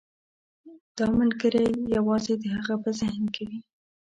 دا ملګری یوازې د هغه په ذهن کې وي.